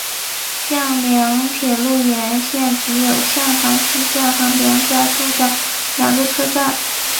向梁铁路沿线只有向塘西站和梁家渡站两个车站。